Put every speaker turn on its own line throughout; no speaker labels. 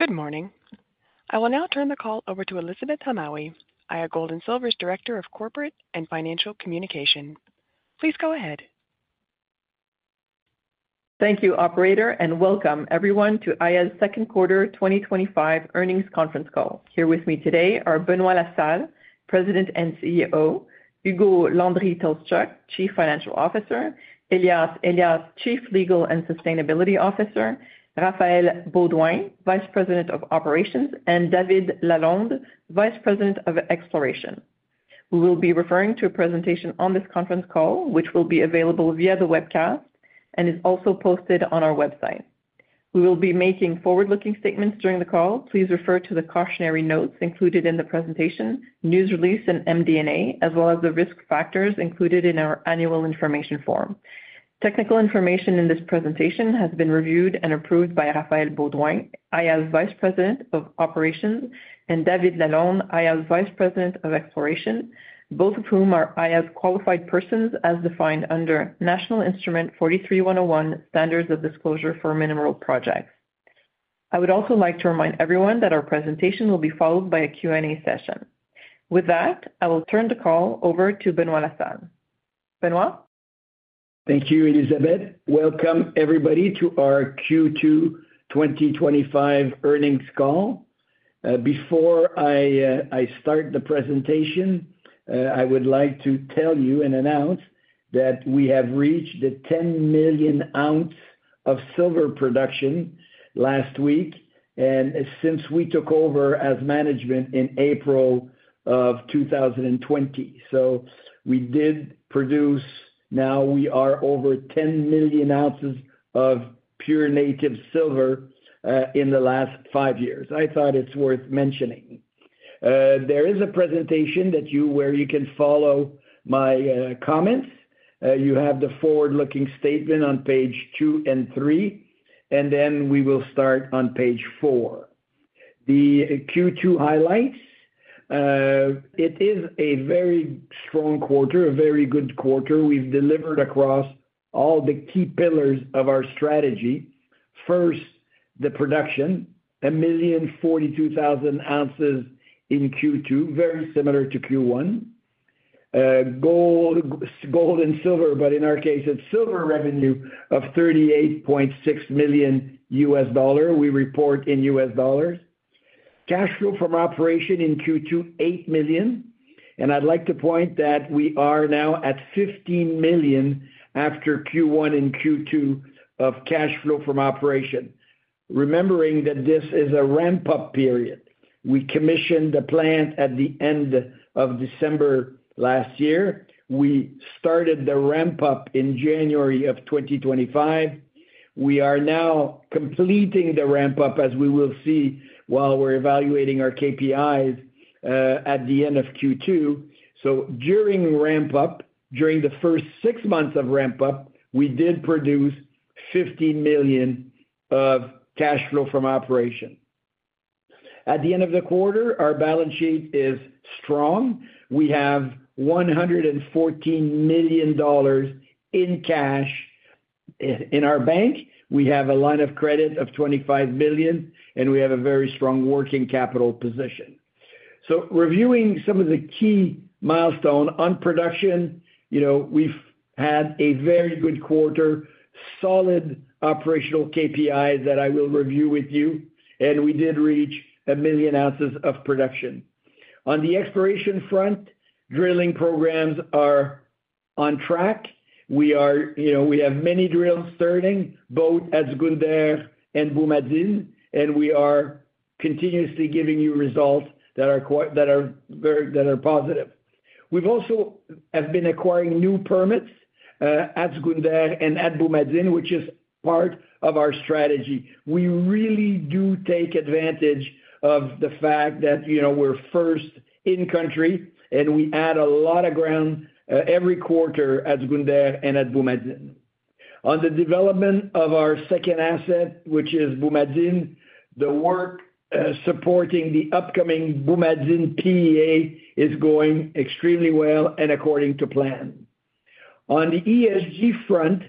Good morning. I will now turn the call over to Elizabeth Hamaue, Aya Gold & Silver's Director of Corporate and Financial Communication. Please go ahead.
Thank you, operator, and welcome, everyone, to Aya Gold & Silver's second Quarter 2025 Earnings Conference Call. Here with me today are Benoit La Salle, President and CEO, Ugo Landry-Tolszczuk, Chief Financial Officer, Elias Elias, Chief Legal and Sustainability Officer, Raphaël Beaudoin, Vice President, Operations, and David Lalonde, Vice President, Exploration. We will be referring to a presentation on this conference call, which will be available via the webcast and is also posted on our website. We will be making forward-looking statements during the call. Please refer to the cautionary notes included in the presentation, news release, and MD&A as well as the risk factors included in our annual information form. Technical information in this presentation has been reviewed and approved by Raphaël Beaudoin, Aya's Vice President of Operations, and David Lalonde, Aya's Vice President of Exploration, both of whom are Aya's qualified persons as defined under National Instrument 43-101 Standards of Disclosure for Mineral Projects. I would also like to remind everyone that our presentation will be followed by a Q&A session. With that, I will turn the call over to Benoit La Salle. Benoit?
Thank you, Elizabeth. Welcome, everybody, to our Q2 2025 earnings call. Before I start the presentation, I would like to tell you and announce that we have reached the 10 million oz of silver production last week and since we took over as management in April of 2020. We did produce, now we are over 10 million oz of pure native silver in the last five years. I thought it's worth mentioning. There is a presentation where you can follow my comments. You have the forward-looking statement on page 2 and 3, and then we will start on page 4. The Q2 highlights, it is a very strong quarter, a very good quarter. We've delivered across all the key pillars of our strategy. First, the production, 1,042,000 oz in Q2, very similar to Q1. Gold and silver, but in our case, it's silver revenue of $38.6 million. We report in U.S. dollars. Cash flow from operation in Q2, $8 million. I'd like to point that we are now at $15 million after Q1 and Q2 of cash flow from operation. Remembering that this is a ramp-up period. We commissioned the plant at the end of December last year. We started the ramp-up in January of 2025. We are now completing the ramp-up, as we will see while we're evaluating our KPIs at the end of Q2. During the first six months of ramp-up, we did produce $15 million of cash flow from operation. At the end of the quarter, our balance sheet is strong. We have $114 million in cash in our bank. We have a line of credit of $25 million, and we have a very strong working capital position. Reviewing some of the key milestones on production, we've had a very good quarter, solid operational KPIs that I will review with you, and we did reach 1 million oz of production. On the exploration front, drilling programs are on track. We have many drills starting, both at Zgounder and Boumadine, and we are continuously giving you results that are positive. We've also been acquiring new permits at Zgounder and at Boumadine, which is part of our strategy. We really do take advantage of the fact that we're first in country, and we add a lot of ground every quarter at Zgounder and at Boumadine. On the development of our second asset, which is Boumadine, the work supporting the upcoming Boumadine PEA is going extremely well and according to plan. On the ESG front,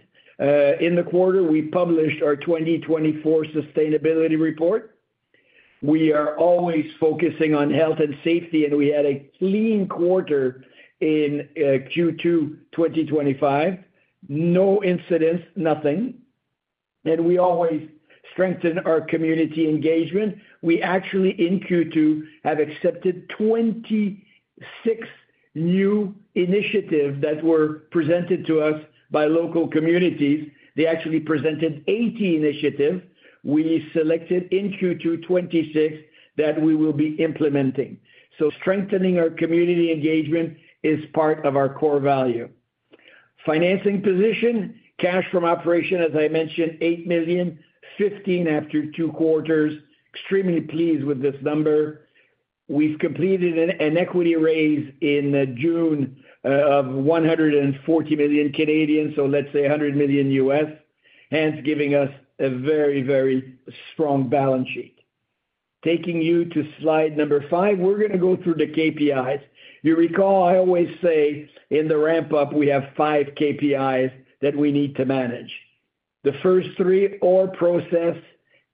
in the quarter, we published our 2024 sustainability report. We are always focusing on health and safety, and we had a clean quarter in Q2 2025. No incidents, nothing. We always strengthen our community engagement. We actually, in Q2, have accepted 26 new initiatives that were presented to us by local communities. They actually presented 80 initiatives. We selected in Q2 26 that we will be implementing. Strengthening our community engagement is part of our core value. Financing position, cash from operation, as I mentioned, $8 million, $15 million after two quarters. Extremely pleased with this number. We've completed an equity raise in June of 140 million, so let's say $100 million, hence giving us a very, very strong balance sheet. Taking you to slide number five, we're going to go through the KPIs. You recall, I always say in the ramp-up, we have five KPIs that we need to manage. The first three, ore process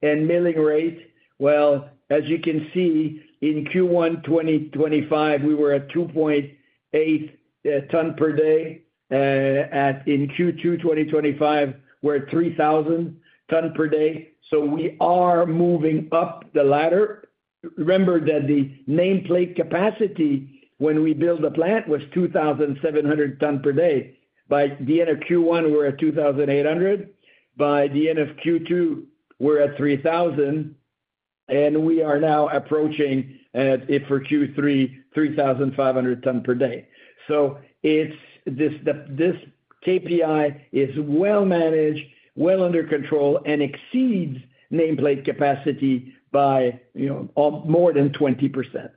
and milling rate. As you can see, in Q1 2025, we were at 2,800 tonnes per day. In Q2 2025, we're at 3,000 tonnes per day. We are moving up the ladder. Remember that the nameplate capacity when we built the plant was 2,700 tonnes per day. By the end of Q1, we're at 2,800. By the end of Q2, we're at 3,000. We are now approaching, for Q3, 3,500 tonnes per day. This KPI is well managed, well under control, and exceeds nameplate capacity by more than 20%.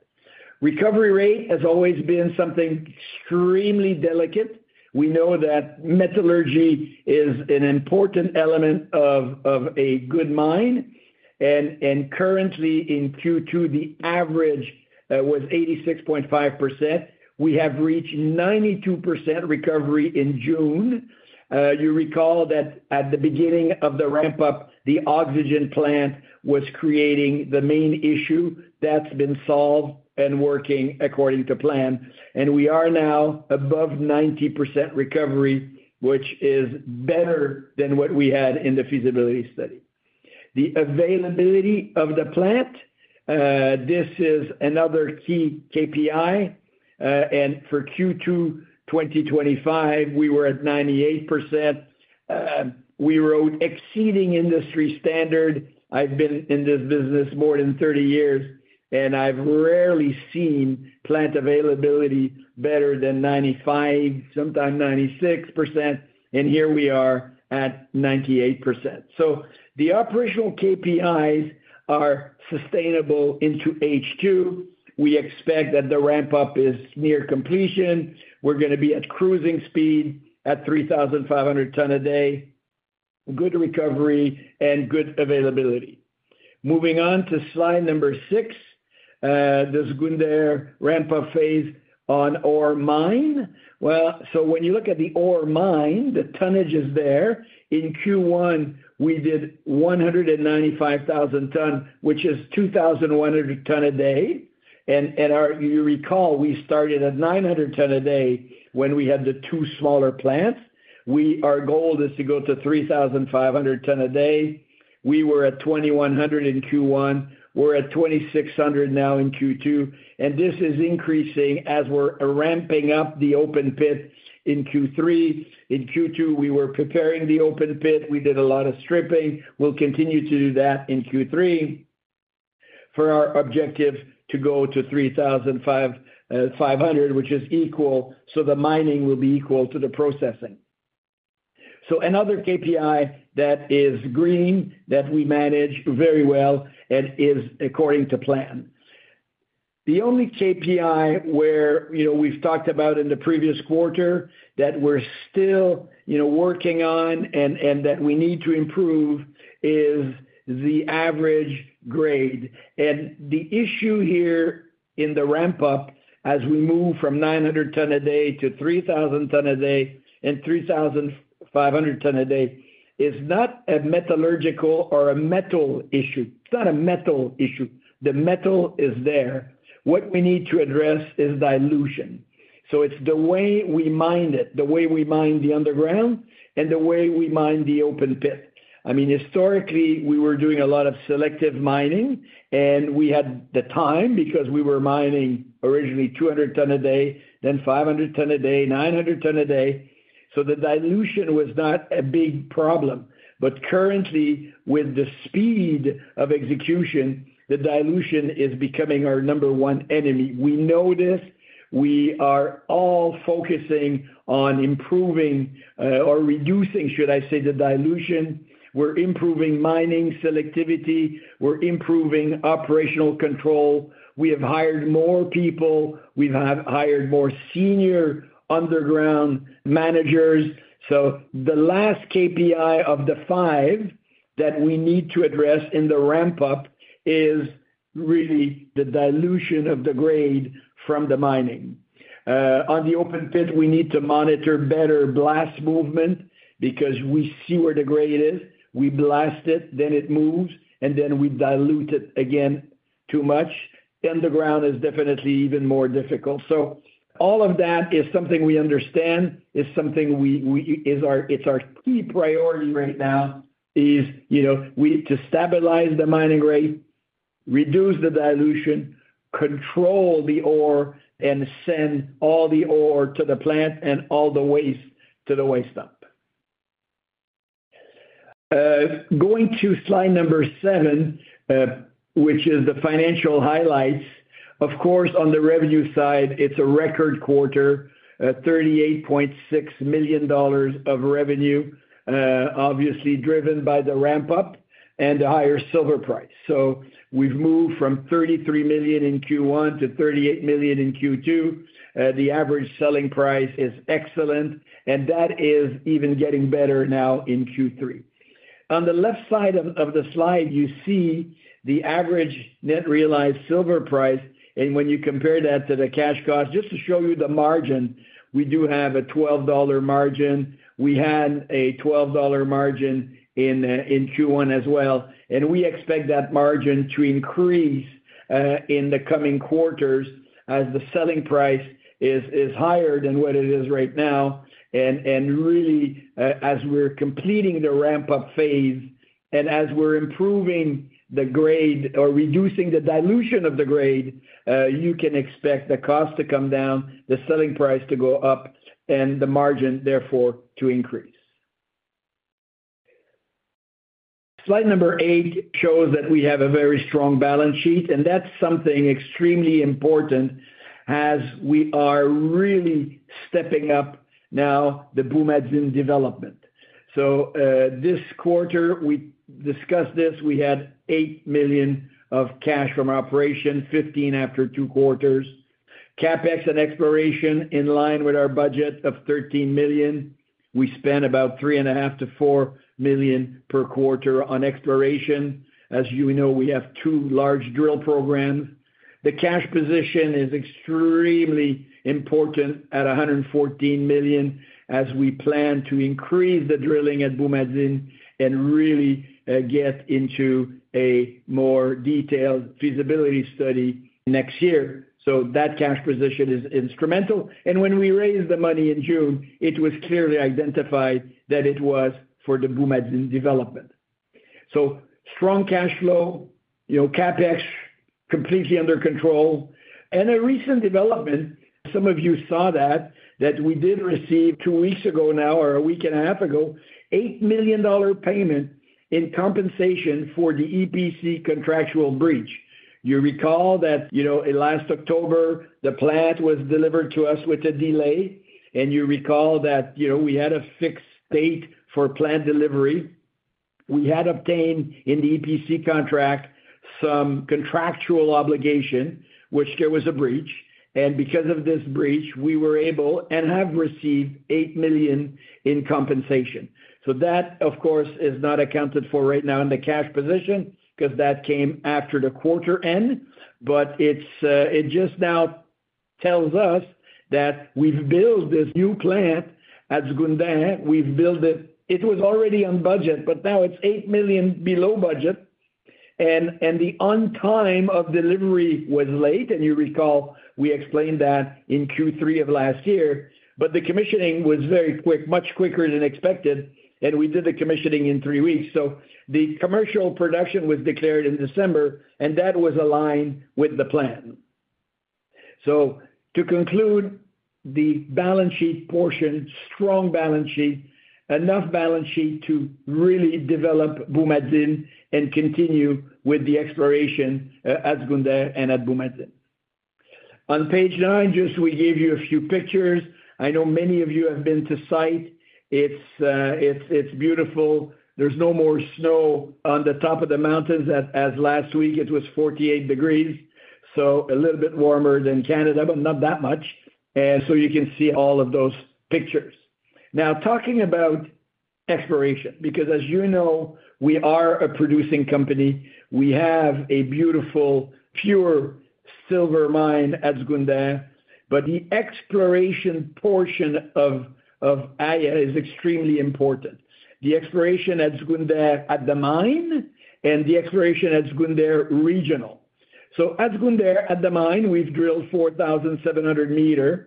Recovery rate has always been something extremely delicate. We know that metallurgy is an important element of a good mine. Currently, in Q2, the average was 86.5%. We have reached 92% recovery in June. You recall that at the beginning of the ramp-up, the oxygen plant was creating the main issue. That's been solved and working according to plan. We are now above 90% recovery, which is better than what we had in the feasibility study. The availability of the plant, this is another key KPI. For Q2 2025, we were at 98%. We wrote exceeding industry standard. I've been in this business more than 30 years, and I've rarely seen plant availability better than 95%, sometimes 96%. Here we are at 98%. The operational KPIs are sustainable into H2. We expect that the ramp-up is near completion. We're going to be at cruising speed at 3,500 tonnes a day, good recovery, and good availability. Moving on to slide number six, the Zgounder ramp-up phase on our mine. When you look at the ore mine, the tonnage is there. In Q1, we did 195,000 tonnes, which is 2,100 tonnes a day. You recall, we started at 900 tonnes a day when we had the two smaller plants. Our goal is to go to 3,500 tonnes a day. We were at 2,100 in Q1. We're at 2,600 now in Q2. This is increasing as we're ramping up the open pit in Q3. In Q2, we were preparing the open pit. We did a lot of stripping. We'll continue to do that in Q3 for our objectives to go to 3,500, which is equal. The mining will be equal to the processing. Another KPI that is green, that we manage very well, and is according to plan. The only KPI where, you know, we've talked about in the previous quarter that we're still, you know, working on and that we need to improve is the average grade. The issue here in the ramp-up, as we move from 900 tonnes a day to 3,000 tonnes a day and 3,500 tonnes a day, is not a metallurgical or a metal issue. It's not a metal issue. The metal is there. What we need to address is dilution. It's the way we mine it, the way we mine the underground, and the way we mine the open pit. Historically, we were doing a lot of selective mining, and we had the time because we were mining originally 200 tonnes a day, then 500 tonnes a day, 900 tonnes a day. The dilution was not a big problem. Currently, with the speed of execution, the dilution is becoming our number one enemy. We know this. We are all focusing on improving or reducing, should I say, the dilution. We're improving mining selectivity. We're improving operational control. We have hired more people. We've hired more senior underground managers. The last KPI of the five that we need to address in the ramp-up is really the dilution of the grade from the mining. On the open pit, we need to monitor better blast movement because we see where the grade is. We blast it, then it moves, and then we dilute it again too much. Underground is definitely even more difficult. All of that is something we understand is something we is our key priority right now. We have to stabilize the mining rate, reduce the dilution, control the ore, and send all the ore to the plant and all the waste to the waste dump. Going to slide number seven, which is the financial highlights. Of course, on the revenue side, it's a record quarter, $38.6 million of revenue, obviously driven by the ramp-up and the higher silver price. We've moved from $33 million in Q1 to $38 million in Q2. The average selling price is excellent, and that is even getting better now in Q3. On the left side of the slide, you see the average net realized silver price. When you compare that to the cash cost, just to show you the margin, we do have a $12 margin. We had a $12 margin in Q1 as well. We expect that margin to increase in the coming quarters as the selling price is higher than what it is right now. Really, as we're completing the ramp-up phase and as we're improving the grade or reducing the dilution of the grade, you can expect the cost to come down, the selling price to go up, and the margin therefore to increase. Slide number eight shows that we have a very strong balance sheet, and that's something extremely important as we are really stepping up now the Boumadine development. This quarter, we discussed this, we had $8 million of cash from operations, $15 million after two quarters. CapEx and exploration in line with our budget of $13 million. We spend about $3.5 million-$4 million per quarter on exploration. As you know, we have two large drill programs. The cash position is extremely important at $114 million as we plan to increase the drilling at Boumadine and really get into a more detailed feasibility study next year. That cash position is instrumental. When we raised the money in June, it was clearly identified that it was for the Boumadine development. Strong cash flow, you know, CapEx completely under control. A recent development, some of you saw that, we did receive two weeks ago now or a week and a half ago, $8 million payment in compensation for the EPC contractual breach. You recall that last October, the plant was delivered to us with a delay. You recall that we had a fixed date for plant delivery. We had obtained in the EPC contract some contractual obligation, which there was a breach. Because of this breach, we were able and have received $8 million in compensation. That, of course, is not accounted for right now in the cash position because that came after the quarter end. It just now tells us that we've built this new plant at Zgounder. We've built it. It was already on budget, but now it's $8 million below budget. The on-time of delivery was late. You recall, we explained that in Q3 of last year. The commissioning was very quick, much quicker than expected. We did the commissioning in three weeks. The commercial production was declared in December, and that was aligned with the plan. To conclude the balance sheet portion, strong balance sheet, enough balance sheet to really develop Boumadine and continue with the exploration at Zgounder and at Boumadine. On page nine, we gave you a few pictures. I know many of you have been to site. It's beautiful. There's no more snow on the top of the mountains. As of last week, it was 48 degrees. A little bit warmer than Canada, but not that much. You can see all of those pictures. Now, talking about exploration, because as you know, we are a producing company. We have a beautiful, pure silver mine at Zgounder. The exploration portion of Aya is extremely important. The exploration at Zgounder at the mine and the exploration at Zgounder regional. At Zgounder at the mine, we've drilled 4,700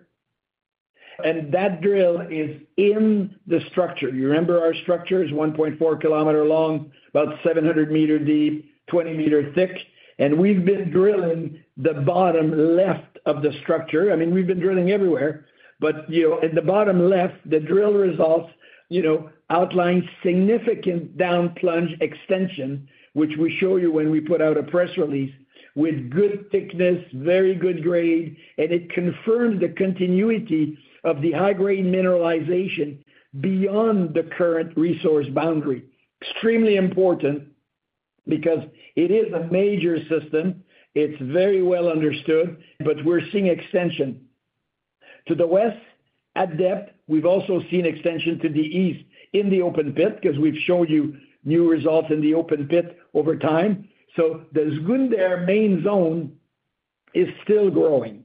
m. That drill is in the structure. You remember our structure is 1.4 km long, about 700 m deep, 20 m thick. We've been drilling the bottom left of the structure. I mean, we've been drilling everywhere. In the bottom left, the drill results outline significant down plunge extension, which we show you when we put out a press release with good thickness, very good grade. It confirmed the continuity of the high-grade mineralization beyond the current resource boundary. Extremely important because it is a major system. It's very well understood. We're seeing extension to the west at depth. We've also seen extension to the east in the open pit because we've shown you new results in the open pit over time. The Zgounder main zone is still growing.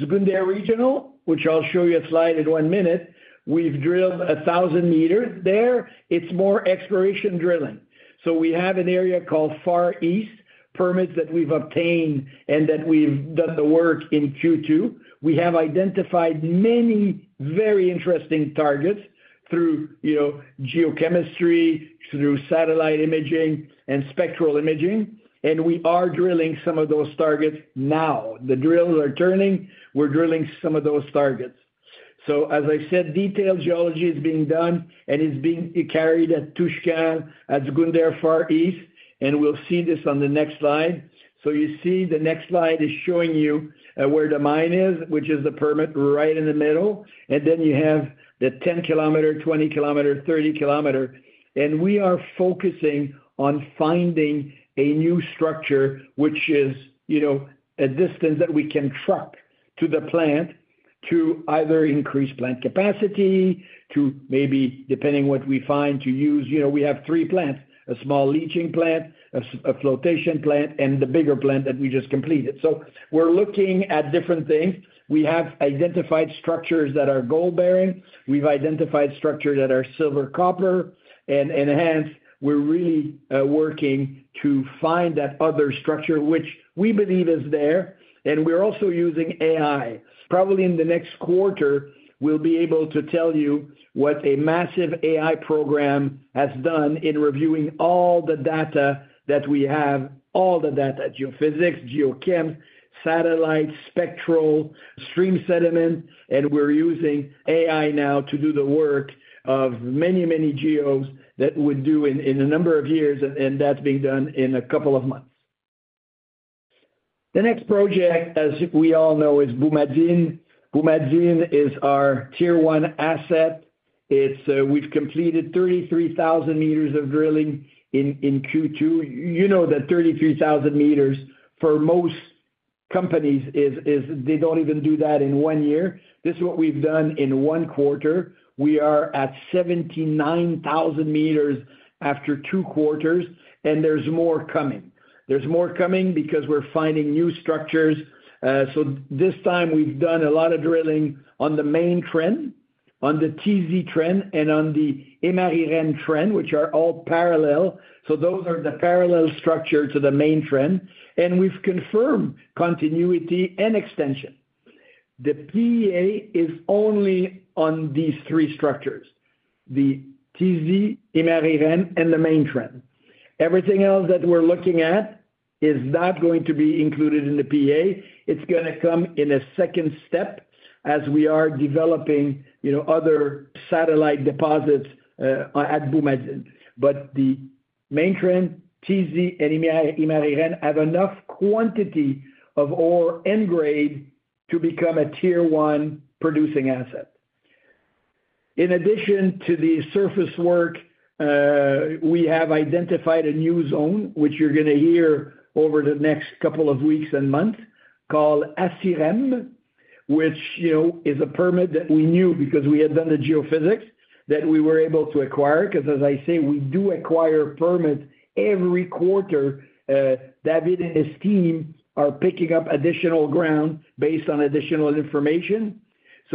Zgounder regional, which I'll show you a slide in one minute, we've drilled 1,000 m there. It's more exploration drilling. We have an area called Far East permits that we've obtained and that we've done the work in Q2. We have identified many very interesting targets through geochemistry, through satellite imaging, and spectral imaging. We are drilling some of those targets now. The drills are turning. We're drilling some of those targets. As I said, detailed geology is being done, and it's being carried at Touchkal, at Zgounder Far East. We'll see this on the next slide. The next slide is showing you where the mine is, which is the permit right in the middle. Then you have the 10 km, 20 km, 30 km. We are focusing on finding a new structure, which is a distance that we can truck to the plant to either increase plant capacity, to maybe, depending on what we find, to use. We have three plants: a small leaching plant, a flotation plant, and the bigger plant that we just completed. We are looking at different things. We have identified structures that are gold-bearing. We have identified structures that are silver-copper. We are really working to find that other structure, which we believe is there. We are also using AI. Probably in the next quarter, we will be able to tell you what a massive AI program has done in reviewing all the data that we have, all the data: geophysics, geochemistry, satellites, spectral, stream sediment. We are using AI now to do the work of many, many geos that we would do in a number of years, and that is being done in a couple of months. The next project, as we all know, is Boumadine. Boumadine is our tier one asset. We have completed 33,000 m of drilling in Q2. You know that 33,000 m for most companies, they do not even do that in one year. This is what we have done in one quarter. We are at 79,000 m after two quarters, and there is more coming. There is more coming because we are finding new structures. This time, we have done a lot of drilling on the main trend, on the Tizi trend, and on the Imariren trend, which are all parallel. Those are the parallel structures to the main trend. We have confirmed continuity and extension. The PEA is only on these three structures: the Tizi, Imariren, and the main trend. Everything else that we are looking at is not going to be included in the PEA. It is going to come in a second step as we are developing other satellite deposits at Boumadine. The main trend, Tizi, and Imariren have enough quantity of ore and grade to become a tier one producing asset. In addition to the surface work, we have identified a new zone, which you are going to hear over the next couple of weeks and months, called Asirem, which is a permit that we knew because we had done the geophysics that we were able to acquire. As I say, we do acquire permits every quarter. David and his team are picking up additional ground based on additional information.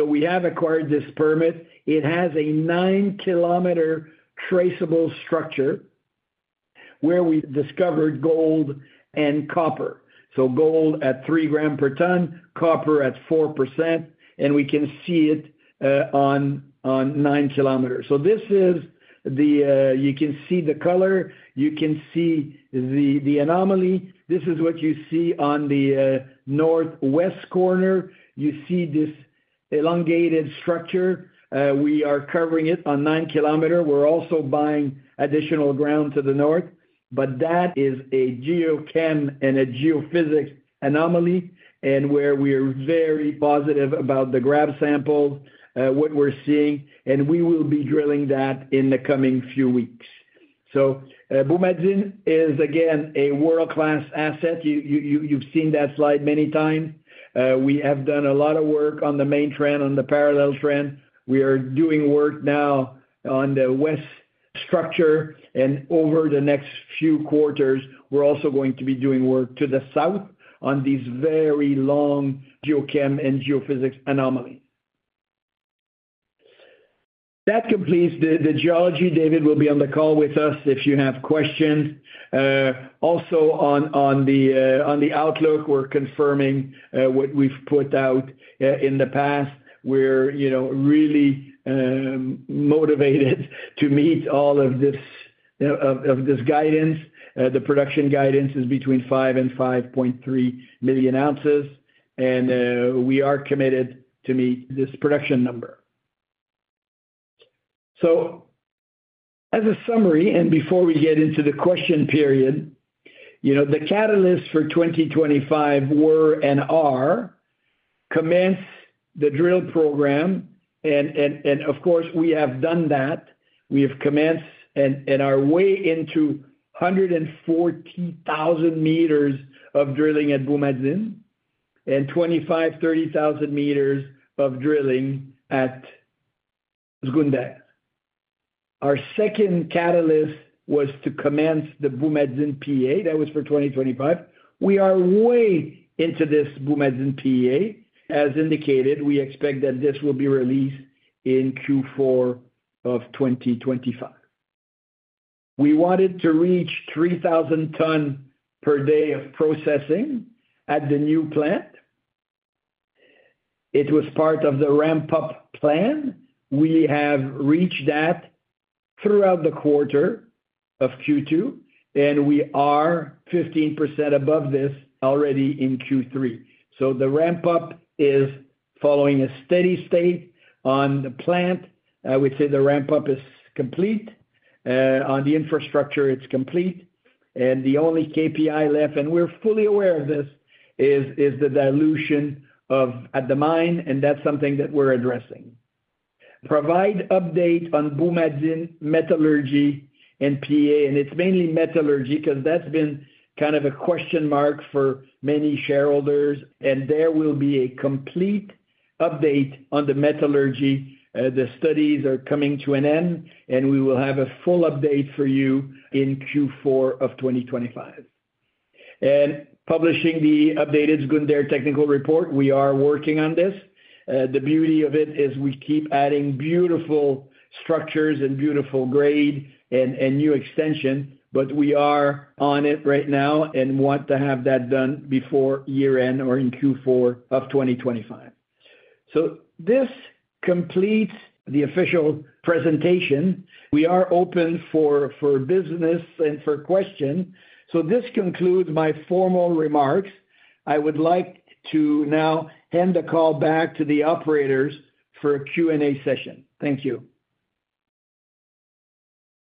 We have acquired this permit. It has a 9 km traceable structure where we discovered gold and copper. Gold at 3 g per ton, copper at 4%. We can see it on 9 km. This is the, you can see the color. You can see the anomaly. This is what you see on the northwest corner. You see this elongated structure. We are covering it on 9 km. We're also buying additional ground to the north. That is a geochem and a geophysics anomaly and we are very positive about the grab sample, what we're seeing. We will be drilling that in the coming few weeks. Boumadine is, again, a world-class asset. You've seen that slide many times. We have done a lot of work on the main trend, on the parallel trend. We are doing work now on the west structure. Over the next few quarters, we're also going to be doing work to the south on these very long geochem and geophysics anomalies. That completes the geology. David will be on the call with us if you have questions. Also, on the outlook, we're confirming what we've put out in the past. We're really motivated to meet all of this guidance. The production guidance is between 5 million and 5.3 million oz. We are committed to meet this production number. As a summary, and before we get into the question period, the catalysts for 2025 were and are to commence the drill program. Of course, we have done that. We have commenced and are way into 140,000 m of drilling at Boumadine and 25,000 m, 30,000 m of drilling at Zgounder. Our second catalyst was to commence the Boumadine PEA. That was for 2025. We are way into this Boumadine PEA. As indicated, we expect that this will be released in Q4 of 2025. We wanted to reach 3,000 tonnes per day of processing at the new plant. It was part of the ramp-up plan. We have reached that throughout the quarter of Q2. We are 15% above this already in Q3. The ramp-up is following a steady state on the plant. I would say the ramp-up is complete. On the infrastructure, it's complete. The only KPI left, and we're fully aware of this, is the dilution of the mine. That's something that we're addressing. Provide update on Boumadine metallurgy and PEA. It's mainly metallurgy because that's been kind of a question mark for many shareholders. There will be a complete update on the metallurgy. The studies are coming to an end. We will have a full update for you in Q4 of 2025. Publishing the updated Zgounder technical report, we are working on this. The beauty of it is we keep adding beautiful structures and beautiful grade and new extension. We are on it right now and want to have that done before year-end or in Q4 of 2025. This completes the official presentation. We are open for business and for questions. This concludes my formal remarks. I would like to now hand the call back to the operators for a Q&A session. Thank you.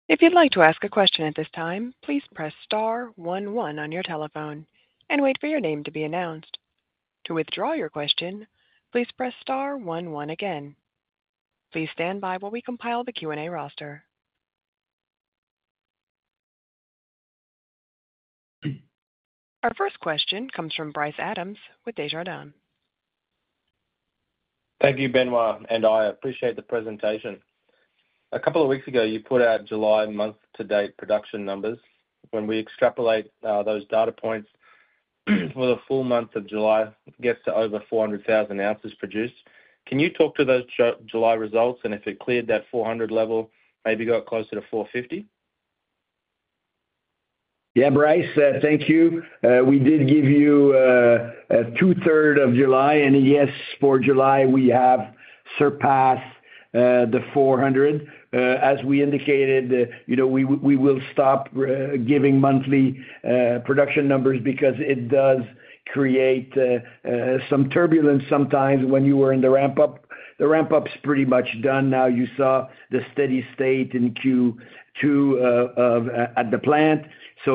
If you'd like to ask a question at this time, please press star 11 on your telephone and wait for your name to be announced. To withdraw your question, please press star 11 again. Please stand by while we compile the Q&A roster. Our first question comes from Bryce Adams with Desjardins.
Thank you, Benoit, and I appreciate the presentation. A couple of weeks ago, you put out July month-to-date production numbers. When we extrapolate those data points for the full month of July, it gets to over 400,000 oz produced. Can you talk to those July results and if it cleared that 400,000 level, maybe got closer to 450,000?
Yeah, Bryce, thank you. We did give you 2/3 of July. Yes, for July, we have surpassed the 400,000. As we indicated, we will stop giving monthly production numbers because it does create some turbulence sometimes when you are in the ramp-up. The ramp-up is pretty much done now. You saw the steady state at the plant.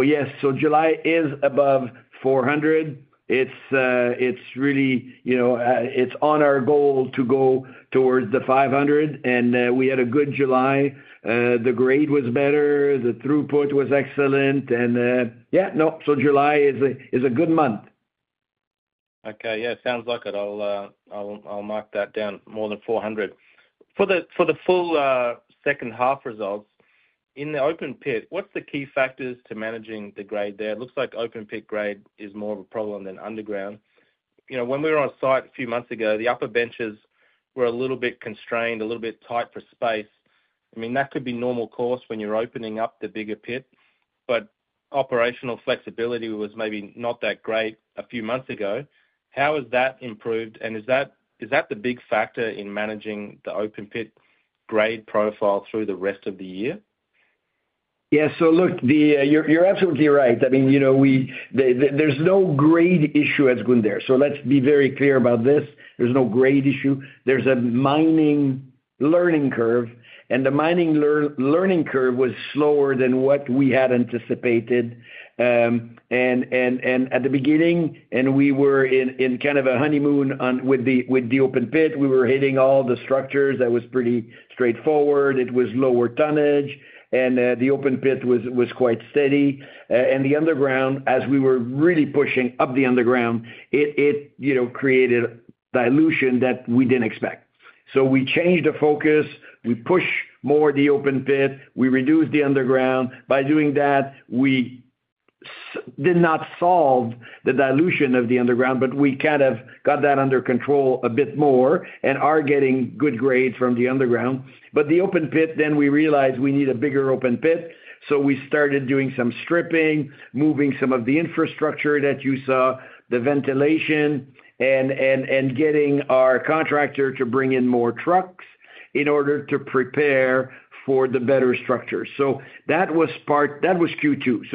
Yes, July is above 400,000. It's really on our goal to go towards the 500,000. We had a good July. The grade was better. The throughput was excellent. July is a good month.
Okay, yeah, it sounds like it. I'll mark that down, more than 400,000. For the full second half result, in the open pit, what's the key factors to managing the grade there? It looks like open pit grade is more of a problem than underground. You know, when we were on site a few months ago, the upper benches were a little bit constrained, a little bit tight for space. I mean, that could be normal course when you're opening up the bigger pit, but operational flexibility was maybe not that great a few months ago. How has that improved? Is that the big factor in managing the open pit grade profile through the rest of the year?
Yeah, so look, you're absolutely right. I mean, you know, there's no grade issue at Zgounder. Let's be very clear about this. There's no grade issue. There's a mining learning curve, and the mining learning curve was slower than what we had anticipated. At the beginning, we were in kind of a honeymoon with the open pit. We were hitting all the structures. That was pretty straightforward. It was lower tonnage, and the open pit was quite steady. The underground, as we were really pushing up the underground, created dilution that we didn't expect. We changed the focus. We pushed more the open pit. We reduced the underground. By doing that, we did not solve the dilution of the underground, but we kind of got that under control a bit more and are getting good grades from the underground. The open pit, then we realized we need a bigger open pit. We started doing some stripping, moving some of the infrastructure that you saw, the ventilation, and getting our contractor to bring in more trucks in order to prepare for the better structure. That was part, that was Q2.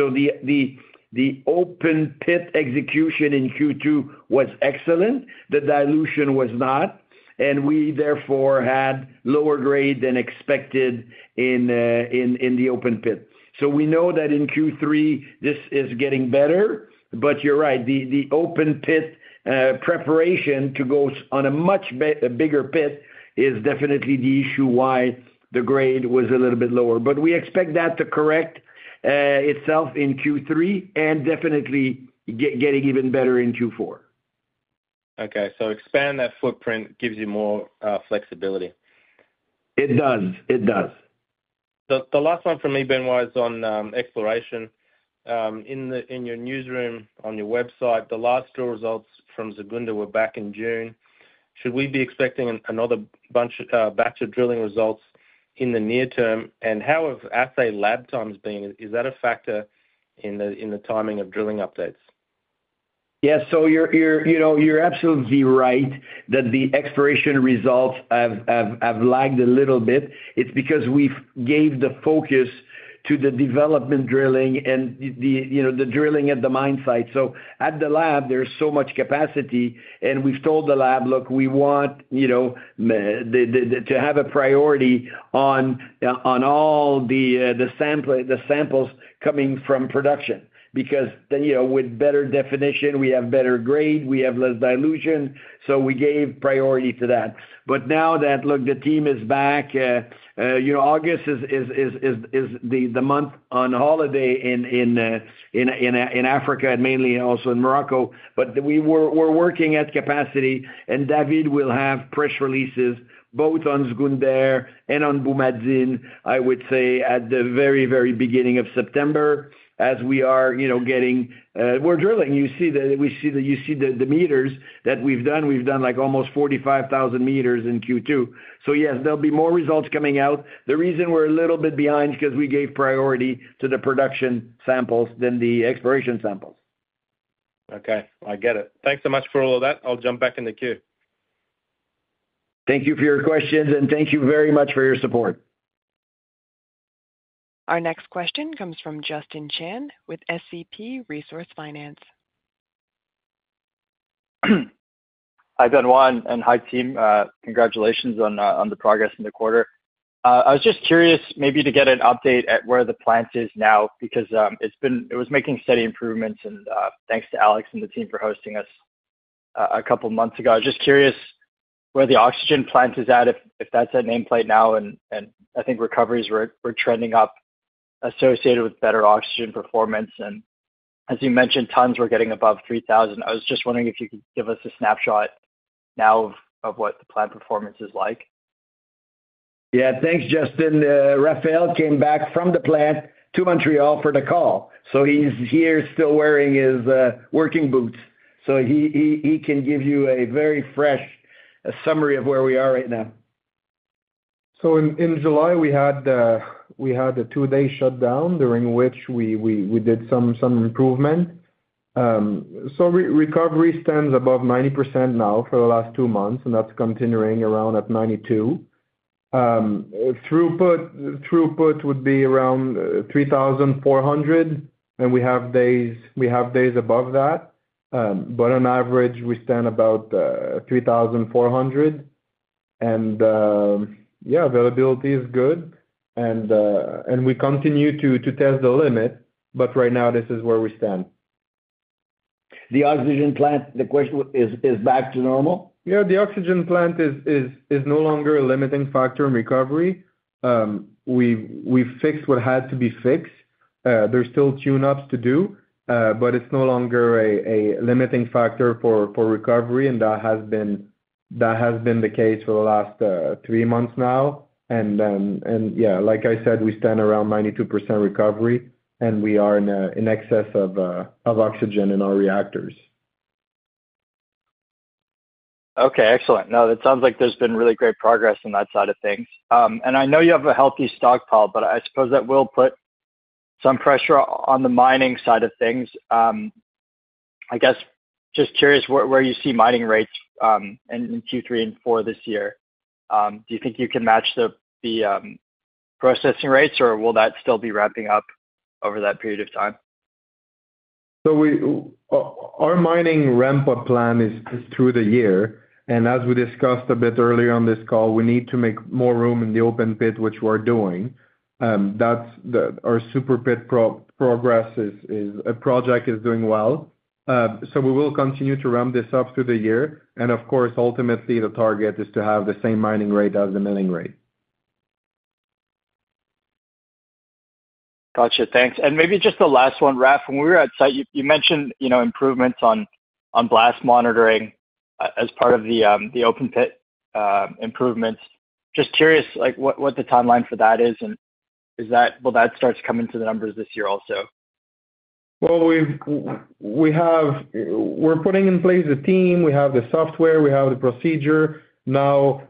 The open pit execution in Q2 was excellent. The dilution was not, and we therefore had lower grade than expected in the open pit. We know that in Q3, this is getting better. You're right, the open pit preparation to go on a much bigger pit is definitely the issue why the grade was a little bit lower. We expect that to correct itself in Q3 and definitely getting even better in Q4.
Okay, to expand that footprint gives you more flexibility.
It does. It does.
The last one for me, Benoit, is on exploration. In your newsroom, on your website, the last drill results from Zgounder were back in June. Should we be expecting another batch of drilling results in the near term? How have assay lab times been? Is that a factor in the timing of drilling updates?
Yeah, so you're absolutely right that the exploration results have lagged a little bit. It's because we've given the focus to the development drilling and the drilling at the mine site. At the lab, there's so much capacity, and we've told the lab, look, we want, you know, to have a priority on all the samples coming from production because then, you know, with better definition, we have better grade, we have less dilution. We gave priority to that. Now that, look, the team is back, you know, August is the month on holiday in Africa and mainly also in Morocco. We're working at capacity, and David will have press releases both on Zgounder and on Boumadine, I would say, at the very, very beginning of September as we are, you know, getting, we're drilling. You see that we see that you see the meters that we've done. We've done like almost 45,000 m in Q2. Yes, there'll be more results coming out. The reason we're a little bit behind is because we gave priority to the production samples than the exploration samples.
Okay, I get it. Thanks so much for all of that. I'll jump back in the queue.
Thank you for your questions, and thank you very much for your support.
Our next question comes from Justin Chan with SCP Resource Finance.
Hi, Benoit, and hi, team. Congratulations on the progress in the quarter. I was just curious maybe to get an update at where the plant is now because it was making steady improvements, and thanks to Alex and the team for hosting us a couple of months ago. I was just curious where the oxygen plant is at, if that's at nameplate now, and I think recoveries were trending up associated with better oxygen performance. As you mentioned, tonnes were getting above 3,000. I was just wondering if you could give us a snapshot now of what the plant performance is like.
Yeah, thanks, Justin. Raphaël came back from the plant to Montreal for the call. He's here still wearing his working boots. He can give you a very fresh summary of where we are right now.
In July, we had a two-day shutdown during which we did some improvement. Recovery stands above 90% now for the last two months, and that's continuing around at 92%. Throughput would be around 3,400, and we have days above that. On average, we stand about 3,400. Availability is good, and we continue to test the limit. Right now, this is where we stand.
The oxygen plant, the question is back to normal?
Yeah, the oxygen plant is no longer a limiting factor in recovery. We fixed what had to be fixed. There's still tune-ups to do, but it's no longer a limiting factor for recovery. That has been the case for the last three months now. Like I said, we stand around 92% recovery, and we are in excess of oxygen in our reactors.
Okay, excellent. It sounds like there's been really great progress on that side of things. I know you have a healthy stockpile, but I suppose that will put some pressure on the mining side of things. I guess just curious where you see mining rates in Q3 and Q4 this year. Do you think you can match the processing rates, or will that still be ramping up over that period of time?
Our mining ramp-up plan is through the year. As we discussed a bit earlier on this call, we need to make more room in the open pit, which we're doing. Our super pit progress is a project that is doing well. We will continue to ramp this up through the year. Of course, ultimately, the target is to have the same mining rate as the milling rate.
Gotcha. Thanks. Maybe just the last one, Raph, when we were at site, you mentioned, you know, improvements on blast monitoring as part of the open pit improvements. Just curious what the timeline for that is, and is that, that starts coming to the numbers this year also.
We have, we're putting in place a team. We have the software. We have the procedure.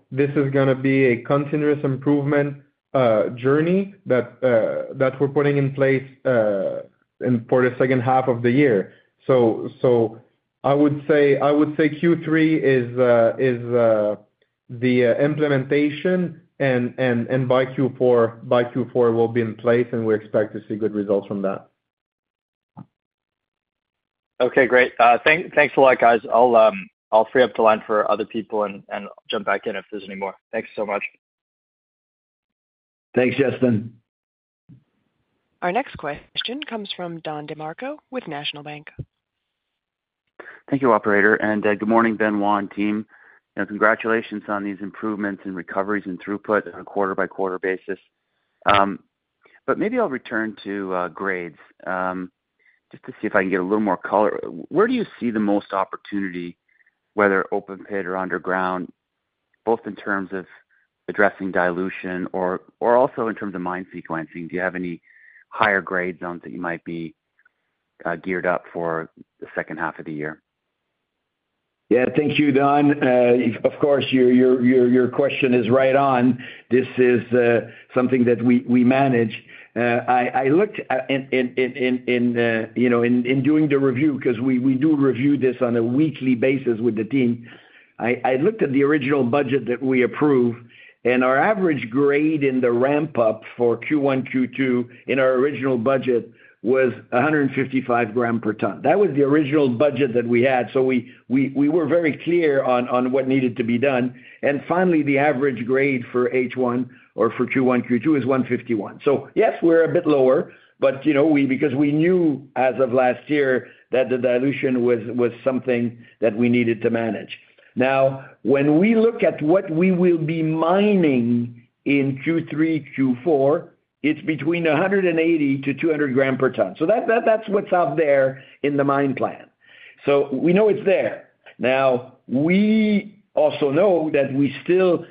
This is going to be a continuous improvement journey that we're putting in place for the second half of the year. I would say Q3 is the implementation, and by Q4 we'll be in place, and we expect to see good results from that.
Okay, great. Thanks a lot, guys. I'll free up the line for other people and jump back in if there's any more. Thanks so much.
Thanks, Justin.
Our next question comes from Don DeMarco with National Bank.
Thank you, operator, and good morning, Benoit and team. Congratulations on these improvements in recoveries and throughput on a quarter-by-quarter basis. Maybe I'll return to grades just to see if I can get a little more color. Where do you see the most opportunity, whether open pit or underground, both in terms of addressing dilution or also in terms of mine sequencing? Do you have any higher grades on that you might be geared up for the second half of the year?
Yeah, thank you, Don. Of course, your question is right on. This is something that we manage. I looked in doing the review because we do review this on a weekly basis with the team. I looked at the original budget that we approved, and our average grade in the ramp-up for Q1, Q2 in our original budget was 155 g per ton. That was the original budget that we had. We were very clear on what needed to be done. Finally, the average grade for H1 or for Q1, Q2 is 151. Yes, we're a bit lower, but you know, because we knew as of last year that the dilution was something that we needed to manage. Now, when we look at what we will be mining in Q3, Q4, it's between 180-200 g per ton. That's what's out there in the mine plan. We know it's there. We also know that we still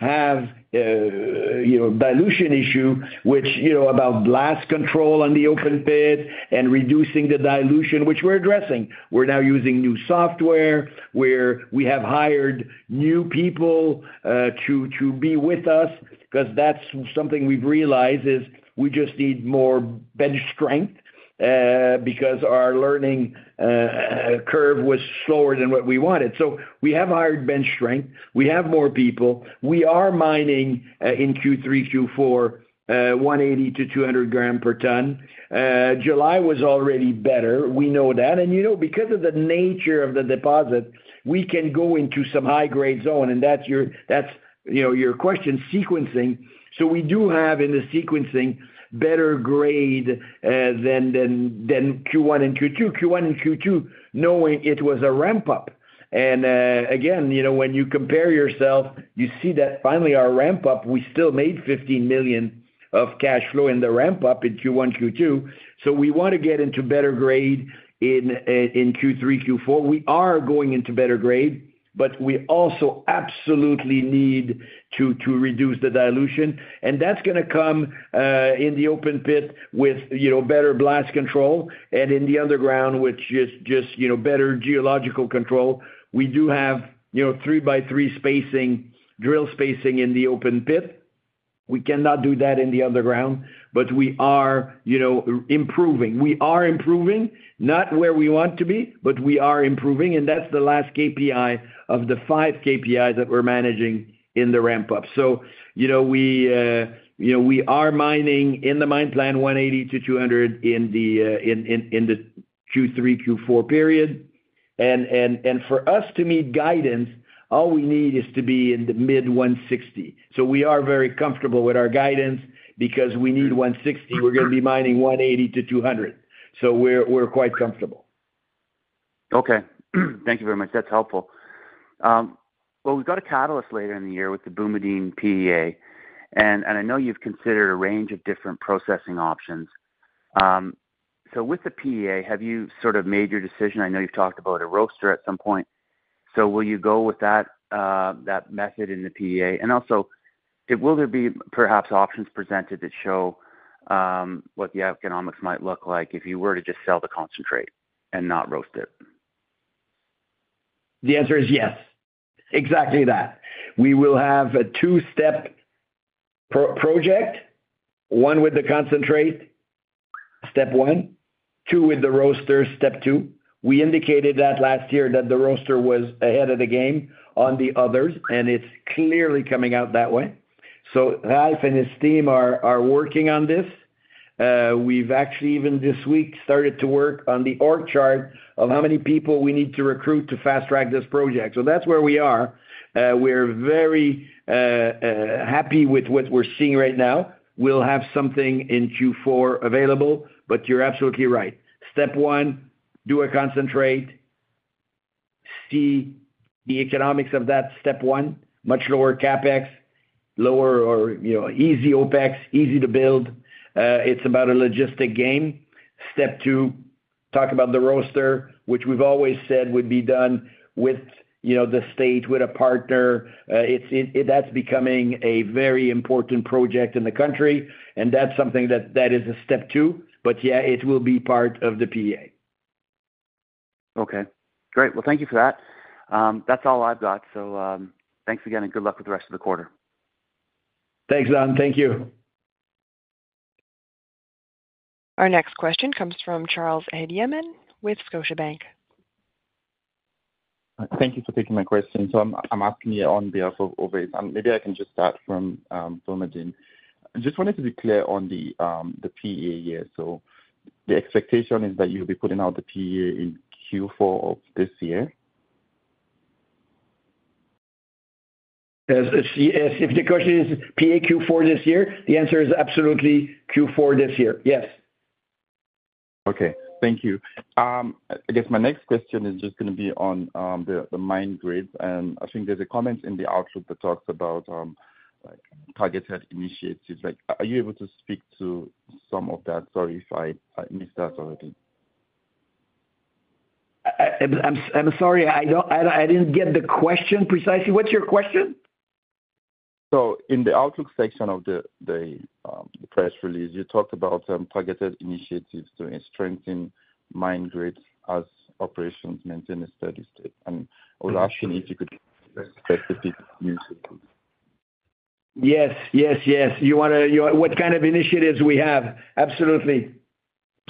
have a dilution issue, which, you know, about blast control on the open pit and reducing the dilution, which we're addressing. We're now using new software. We have hired new people to be with us because that's something we've realized is we just need more bench strength because our learning curve was slower than what we wanted. We have hired bench strength. We have more people. We are mining in Q3, Q4 180-200 g per ton. July was already better. We know that. You know, because of the nature of the deposit, we can go into some high-grade zone. That's your question, sequencing. We do have in the sequencing better grade than Q1 and Q2. Q1 and Q2, knowing it was a ramp-up. Again, you know, when you compare yourself, you see that finally our ramp-up, we still made $15 million of cash flow in the ramp-up in Q1, Q2. We want to get into better grade in Q3, Q4. We are going into better grade, but we also absolutely need to reduce the dilution. That's going to come in the open pit with better blast control. In the underground, which is just better geological control, we do have three-by-three spacing, drill spacing in the open pit. We cannot do that in the underground, but we are improving. We are improving, not where we want to be, but we are improving. That's the last KPI of the five KPIs that we're managing in the ramp-up. We are mining in the mine plan 180-200 in the Q3, Q4 period. For us to meet guidance, all we need is to be in the mid-160. We are very comfortable with our guidance because we need 160. We're going to be mining 180-200. We're quite comfortable.
Okay. Thank you very much. That's helpful. We've got a catalyst later in the year with the Boumadine PEA. I know you've considered a range of different processing options. With the PEA, have you sort of made your decision? I know you've talked about a roaster at some point. Will you go with that method in the PEA? Also, will there be perhaps options presented that show what the economics might look like if you were to just sell the concentrate and not roast it?
The answer is yes. Exactly that. We will have a two-step project, one with the concentrate, step one, two with the roaster, step two. We indicated that last year that the roaster was ahead of the game on the others, and it's clearly coming out that way. Raphaël and his team are working on this. We've actually even this week started to work on the org chart of how many people we need to recruit to fast-track this project. That's where we are. We're very happy with what we're seeing right now. We'll have something in Q4 available, but you're absolutely right. Step one, do a concentrate. See the economics of that step one, much lower CapEx, lower or, you know, easy OpEx, easy to build. It's about a logistic game. Step two, talk about the roaster, which we've always said would be done with, you know, the state with a partner. That's becoming a very important project in the country. That's something that is a step two. Yeah, it will be part of the PEA.
Okay. Great. Thank you for that. That's all I've got. Thank you again and good luck with the rest of the quarter.
Thanks, Don. Thank you.
Our next question comes from Charles Ehidiamhen with Scotiabank.
Thank you for taking my question. I'm asking you on behalf of [Obi]. Maybe I can just start from Boumadine. I just wanted to be clear on the PEA year. The expectation is that you'll be putting out the PEA in Q4 of this year.
Yes. If the question is PEA Q4 this year, the answer is absolutely Q4 this year. Yes.
Okay. Thank you. I guess my next question is just going to be on the mine grades. I think there's a comment in the outlook that talks about targeted initiatives. Are you able to speak to some of that? Sorry if I missed that already.
I'm sorry, I didn't get the question precisely. What's your question?
In the outlook section of the press release, you talked about targeted initiatives to strengthen mine grades as operations maintain a steady state. I was asking if you could specifically use it.
Yes, yes, yes. You want to, what kind of initiatives we have? Absolutely.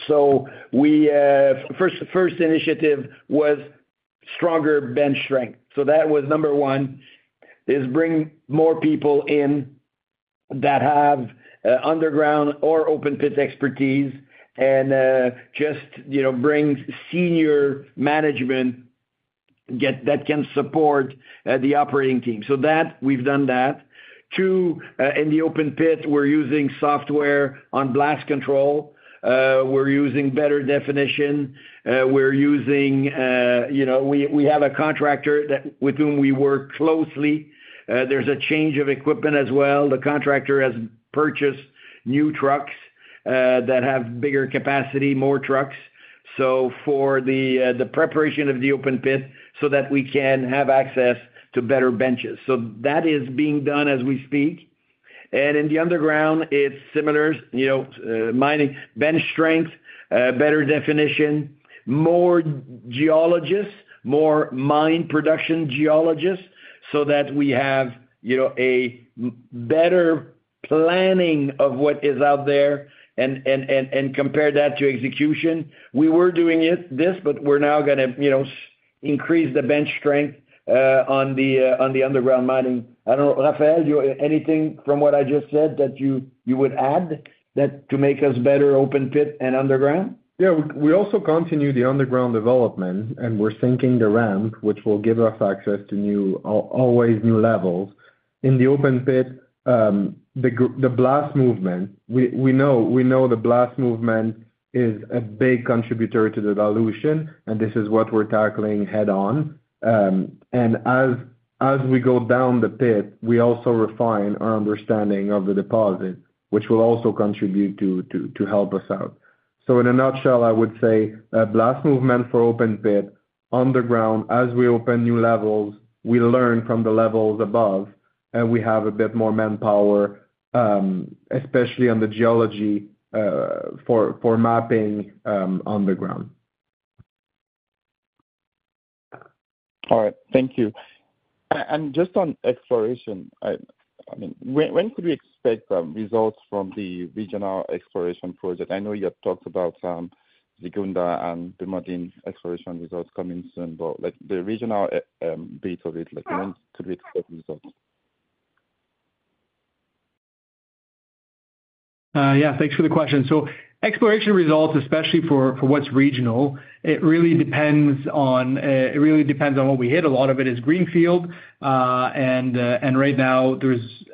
The first initiative was stronger bench strength. That was number one, is bring more people in that have underground or open pit expertise and just, you know, bring senior management that can support the operating team. We've done that. Two, in the open pit, we're using software on blast control. We're using better definition. We have a contractor with whom we work closely. There's a change of equipment as well. The contractor has purchased new trucks that have bigger capacity, more trucks. For the preparation of the open pit so that we can have access to better benches. That is being done as we speak. In the underground, it's similar, mining bench strength, better definition, more geologists, more mine production geologists so that we have a better planning of what is out there and compare that to execution. We were doing this, but we're now going to increase the bench strength on the underground mining. I don't know, Raphaël, anything from what I just said that you would add to make us better open pit and underground?
Yeah, we also continue the underground development, and we're thinking the ramp, which will give us access to new, always new levels. In the open pit, the blast movement, we know the blast movement is a big contributor to the dilution, and this is what we're tackling head-on. As we go down the pit, we also refine our understanding of the deposit, which will also contribute to help us out. In a nutshell, I would say blast movement for open pit, underground, as we open new levels, we learn from the levels above, and we have a bit more manpower, especially on the geology for mapping underground.
All right. Thank you. Just on exploration, I mean, when could we expect results from the regional exploration project? I know you had talked about Zgounder and Boumadine exploration results coming soon, but the regional bits of it, when could we expect results?
Yeah, thanks for the question. Exploration results, especially for what's regional, really depend on what we hit. A lot of it is greenfield. Right now,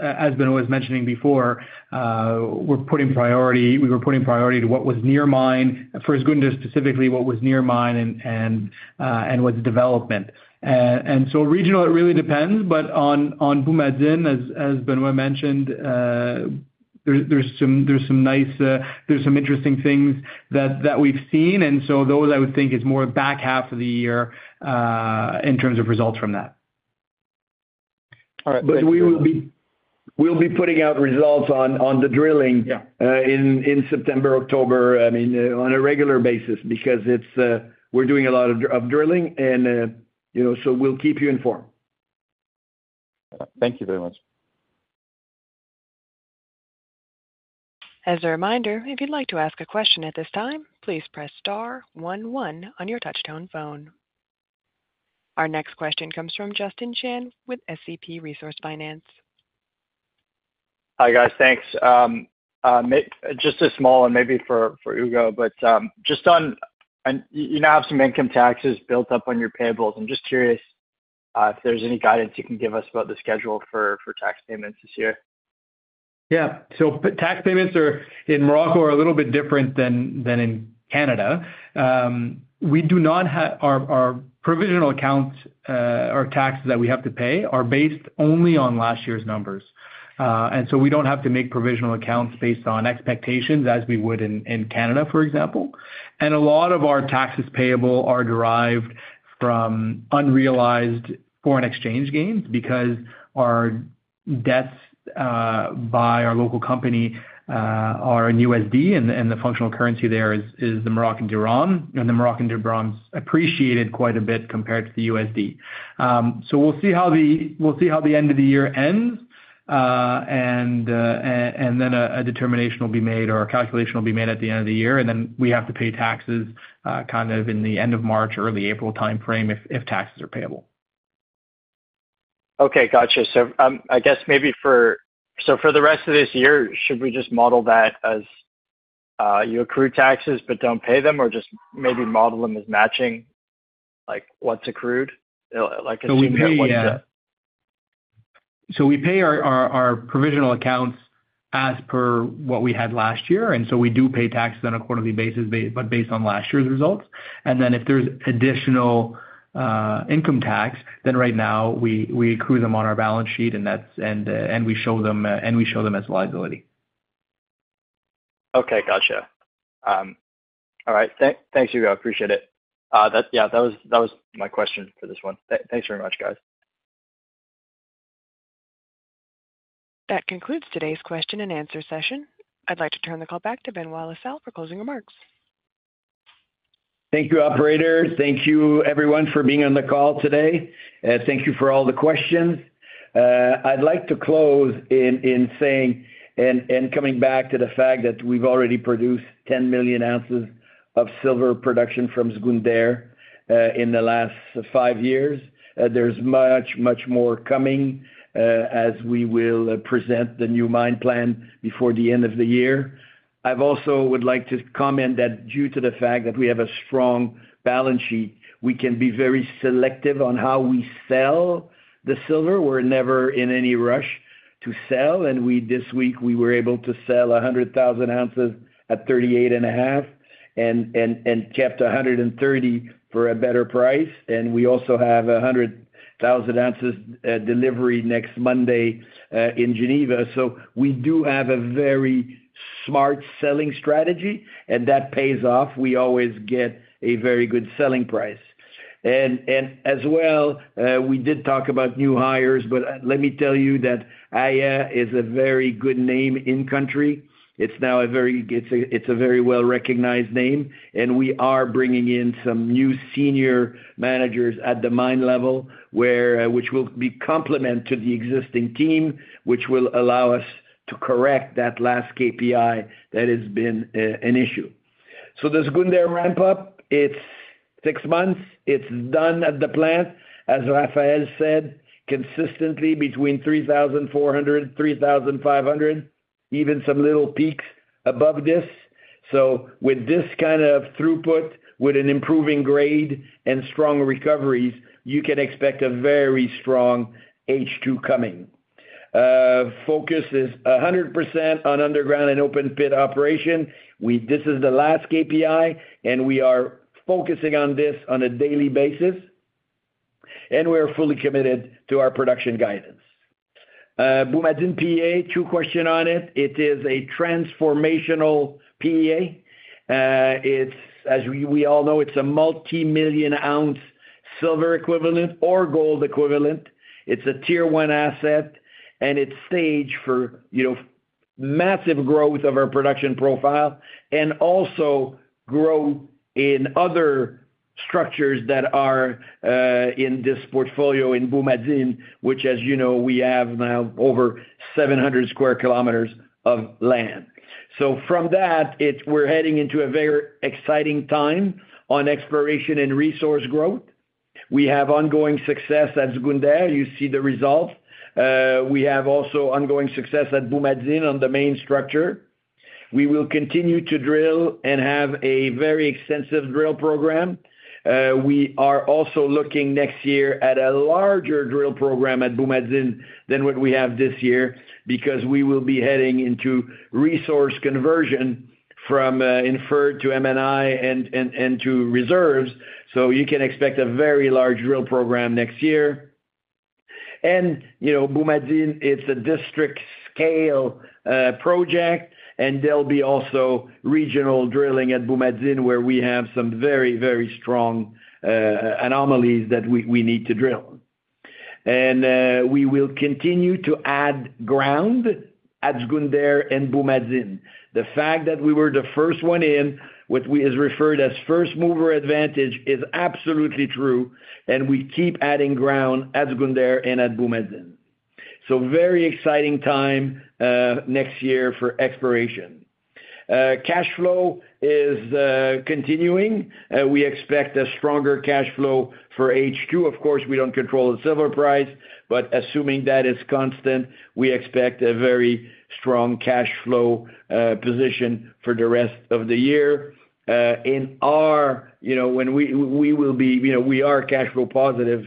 as Benoit was mentioning before, we're putting priority to what was near mine for Zgounder specifically, what was near mine and what's development. Regional really depends. On Boumadine, as Benoit mentioned, there's some nice, there's some interesting things that we've seen. I would think it's more the back half of the year in terms of results from that.
All right.
We'll be putting out results on the drilling in September, October, on a regular basis because we're doing a lot of drilling, and you know, we'll keep you informed.
Thank you very much.
As a reminder, if you'd like to ask a question at this time, please press star 11 on your touchtone phone. Our next question comes from Justin Chan with SCP Resource Finance.
Hi, guys. Thanks. Just a small one, maybe for Ugo, but just on, you now have some income taxes built up on your payables. I'm just curious if there's any guidance you can give us about the schedule for tax payments this year.
Yeah. Tax payments in Morocco are a little bit different than in Canada. We do not have our provisional accounts or taxes that we have to pay are based only on last year's numbers. We don't have to make provisional accounts based on expectations as we would in Canada, for example. A lot of our taxes payable are derived from unrealized foreign exchange gains because our debts by our local company are in USD, and the functional currency there is the Moroccan Dirham. The Moroccan Dirham has appreciated quite a bit compared to the USD. We'll see how the end of the year ends, and then a determination will be made or a calculation will be made at the end of the year. We have to pay taxes kind of in the end of March, early April timeframe if taxes are payable.
Okay, gotcha. I guess for the rest of this year, should we just model that as you accrue taxes but don't pay them, or just maybe model them as matching like what's accrued?
We pay our provisional accounts as per what we had last year. We do pay taxes on a quarterly basis, based on last year's results. If there's additional income tax, right now we accrue them on our balance sheet and we show them as liability.
Okay, gotcha. All right. Thanks, Ugo. Appreciate it. Yeah, that was my question for this one. Thanks very much, guys.
That concludes today's question and answer session. I'd like to turn the call back to Benoit La Salle for closing remarks.
Thank you, operators. Thank you, everyone, for being on the call today. Thank you for all the questions. I'd like to close in saying and coming back to the fact that we've already produced 10 million oz of silver production from Zgounder in the last five years. There's much, much more coming as we will present the new mine plan before the end of the year. I also would like to comment that due to the fact that we have a strong balance sheet, we can be very selective on how we sell the silver. We're never in any rush to sell. This week, we were able to sell 100,000 oz at $38.50 and kept 130,000 for a better price. We also have 100,000 oz delivery next Monday in Geneva. We do have a very smart selling strategy, and that pays off. We always get a very good selling price. We did talk about new hires, but let me tell you that Aya is a very good name in country. It's now a very, it's a very well-recognized name. We are bringing in some new senior managers at the mine level, which will be a complement to the existing team, which will allow us to correct that last KPI that has been an issue. The Zgounder ramp-up, it's six months. It's done at the plant, as Raphaël said, consistently between 3,400, 3,500, even some little peaks above this. With this kind of throughput, with an improving grade and strong recoveries, you can expect a very strong H2 coming. Focus is 100% on underground and open pit operation. This is the last KPI, and we are focusing on this on a daily basis. We're fully committed to our production guidance. Boumadine PEA, two questions on it. It is a transformational PEA. As we all know, it's a multi-million ounce silver equivalent or gold equivalent. It's a tier one asset, and it's staged for, you know, massive growth of our production profile and also growth in other structures that are in this portfolio in Boumadine, which, as you know, we have now over 700 sq km of land. From that, we're heading into a very exciting time on exploration and resource growth. We have ongoing success at Zgounder. You see the results. We have also ongoing success at Boumadine on the main structure. We will continue to drill and have a very extensive drill program. We are also looking next year at a larger drill program at Boumadine than what we have this year because we will be heading into resource conversion from inferred to M&I and to reserves. You can expect a very large drill program next year. Boumadine, it's a district-scale project, and there'll be also regional drilling at Boumadine where we have some very, very strong anomalies that we need to drill. We will continue to add ground at Zgounder and Boumadine. The fact that we were the first one in, what is referred to as first mover advantage, is absolutely true. We keep adding ground at Zgounder and at Boumadine. A very exciting time next year for exploration. Cash flow is continuing. We expect a stronger cash flow for H2. Of course, we don't control the silver price, but assuming that is constant, we expect a very strong cash flow position for the rest of the year. We are cash flow positive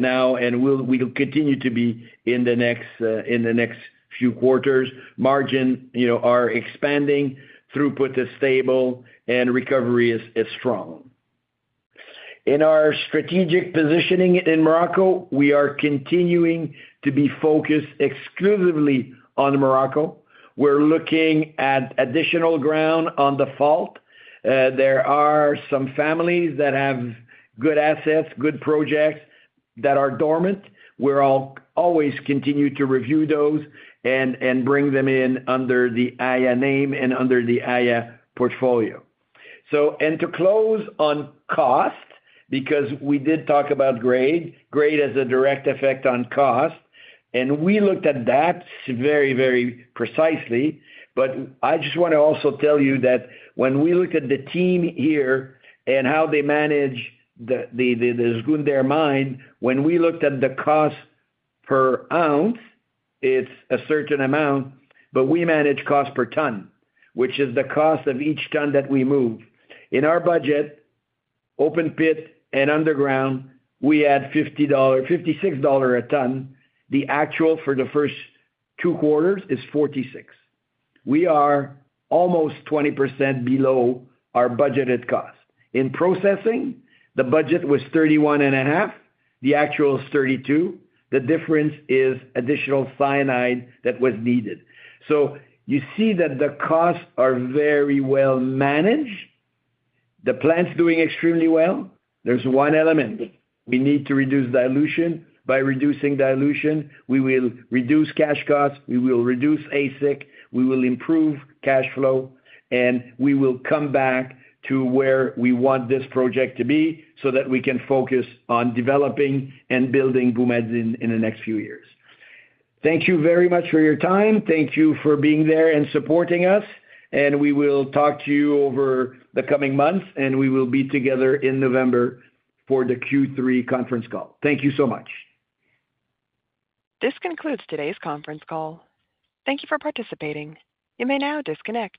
now, and we'll continue to be in the next few quarters. Margin, you know, are expanding, throughput is stable, and recovery is strong. In our strategic positioning in Morocco, we are continuing to be focused exclusively on Morocco. We're looking at additional ground on the fault. There are some families that have good assets, good projects that are dormant. We'll always continue to review those and bring them in under the Aya name and under the Aya portfolio. To close on cost, because we did talk about grade, grade has a direct effect on cost. We looked at that very, very precisely. I just want to also tell you that when we looked at the team here and how they manage the Zgounder mine, when we looked at the cost per ounce, it's a certain amount, but we manage cost per ton, which is the cost of each ton that we move. In our budget, open pit and underground, we had $50, $56 a ton. The actual for the first two quarters is $46. We are almost 20% below our budgeted cost. In processing, the budget was $31.5 million. The actual is $32 million. The difference is additional cyanide that was needed. You see that the costs are very well managed. The plant's doing extremely well. There's one element. We need to reduce dilution. By reducing dilution, we will reduce cash costs, we will reduce ASIC, we will improve cash flow, and we will come back to where we want this project to be so that we can focus on developing and building Boumadine in the next few years. Thank you very much for your time. Thank you for being there and supporting us. We will talk to you over the coming months, and we will be together in November for the Q3 conference call. Thank you so much.
This concludes today's conference call. Thank you for participating. You may now disconnect.